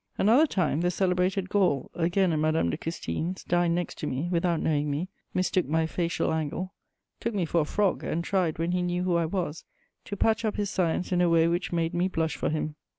Another time, the celebrated Gall, again at Madame de Custine's, dined next to me, without knowing me, mistook my facial angle, took me for a frog, and tried, when he knew who I was, to patch up his science in a way which made me blush for him.